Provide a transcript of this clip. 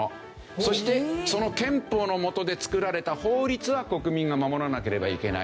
そしてその憲法の下でつくられた法律は国民が守らなければいけない。